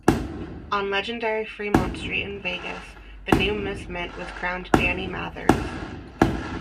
On legendary Freemont street in Vegas, the new Miss Mint was crowned Dani Mathers.